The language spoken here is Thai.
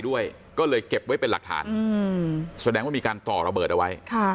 ด้วยก็เลยเก็บไว้เป็นหลักฐานแสดงว่ามีการต่อระเบิดเอาไว้